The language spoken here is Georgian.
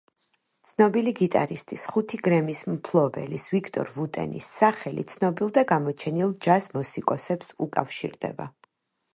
ცნობილი გიტარისტის, ხუთი გრემის მფლობელის, ვიქტორ ვუტენის სახელი ცნობილ და გამოჩენილ ჯაზ მუსიკოსებს უკავშირდება.